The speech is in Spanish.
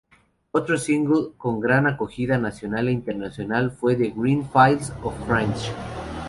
Otro single con gran acogida nacional e internacional fue: "The Green Fields of France".